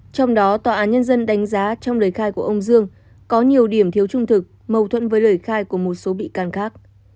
trong đó tòa án nhân dân đánh giá trong lời khai của ông dương có nhiều điểm thiếu trung thực mâu thuẫn với lời khai của một số bị can khác